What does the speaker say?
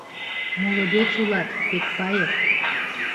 — Молодец улат, Пекпаев!